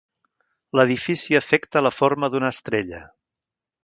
L'edifici afecta la forma d'una estrella.